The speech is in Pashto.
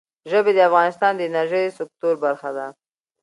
ژبې د افغانستان د انرژۍ سکتور برخه ده.